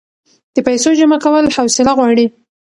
د پیسو جمع کول حوصله غواړي.